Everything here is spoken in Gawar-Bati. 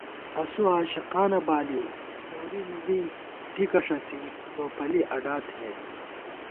اسُوعاشقانہ بالِؤ نوری مِلی دِکہ ݭڅی ٹوپَلی اڈا تھنَئیت